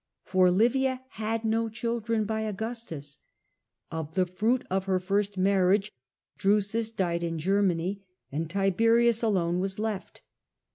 For Livia had had no children by Augustus, Of the fruit of her first marriage Drusus died in Germany, and Tiberius alone was left.